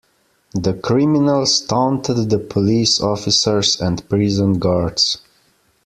The criminals taunted the police officers and prison guards.